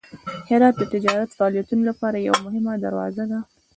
هرات د تجارتي فعالیتونو لپاره یوه مهمه دروازه ده.